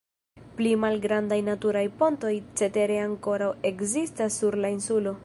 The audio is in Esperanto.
Pli malgrandaj naturaj pontoj cetere ankoraŭ ekzistas sur la insulo.